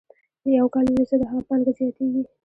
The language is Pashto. یو کال وروسته د هغه پانګه زیاتېږي